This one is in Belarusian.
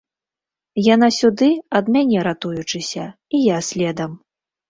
Яна сюды, ад мяне ратуючыся, і я следам.